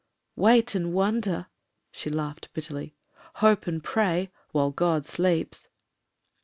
"Wait and wonder!" She laughed bitterly. "Hope and pray — ^while God sleeps."